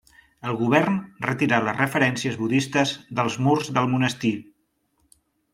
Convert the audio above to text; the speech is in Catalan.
El govern retirà les referències budistes dels murs del monestir.